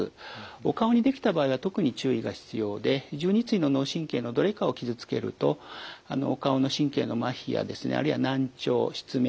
お顔にできた場合は特に注意が必要で１２対の脳神経のどれかを傷つけるとお顔の神経のまひやですねあるいは難聴失明